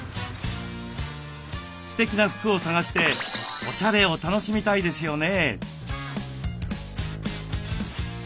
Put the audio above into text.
すてきな服を探しておしゃれを楽しみたいですよね。